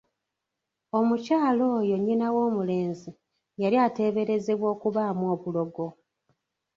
Omukyala oyo nnyina w'omulenzi yali ateeberezebwa okubaamu obulogo!